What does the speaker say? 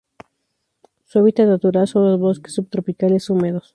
Su hábitat natural son los bosques subtropicales húmedos.